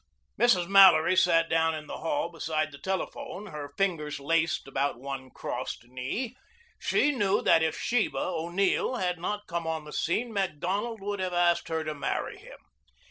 Mrs. Mallory sat down in the hall beside the telephone, her fingers laced about one crossed knee. She knew that if Sheba O'Neill had not come on the scene, Macdonald would have asked her to marry him.